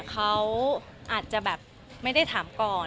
เขาอาจจะแบบ